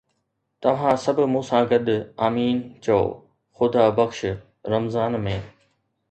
توهان سڀ مون سان گڏ "آمين" چئو، خدا بخش! رمضان ۾